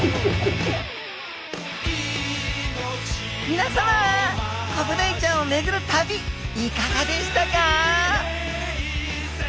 みなさまコブダイちゃんをめぐる旅いかがでしたか？